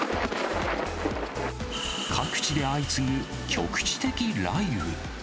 各地で相次ぐ局地的雷雨。